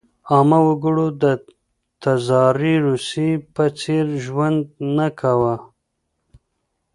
عامه وګړو د تزاري روسیې په څېر ژوند نه کاوه.